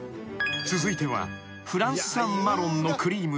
［続いてはフランス産マロンのクリームと］